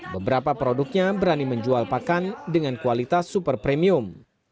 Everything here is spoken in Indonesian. beberapa produknya berani menjual pakan dengan kualitas super premium